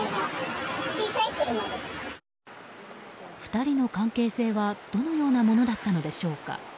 ２人の関係性はどのようなものだったのでしょうか。